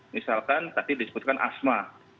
misalkan tadi disebutkan asma